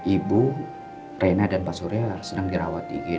ibu reina dan pak surya sedang dirawat di gd